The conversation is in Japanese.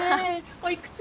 おいくつ？